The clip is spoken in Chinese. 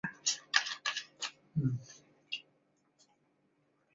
北宋襄邑人。